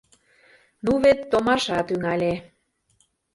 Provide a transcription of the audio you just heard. Ну, вет, томаша тӱҥале!